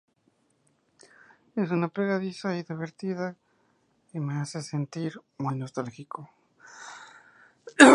Es muy pegadiza y divertida y me hace sentir muy nostálgico.